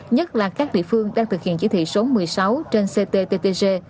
nhất là các địa phương đang thực hiện chỉ thị số một mươi sáu trên cttg